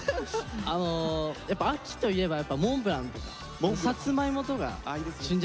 あのやっぱ秋といえばやっぱモンブランとかさつまいもとか旬じゃないですか。